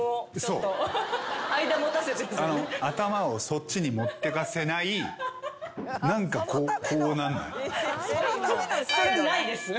頭をそっちに持ってかせない何かこうなんない？ない？